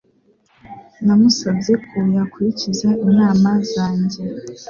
Namusabye ko yakurikiza inama zanjye.